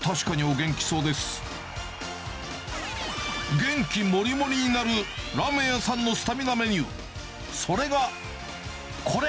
元気もりもりになるラーメン屋さんのスタミナメニュー、それがこれ。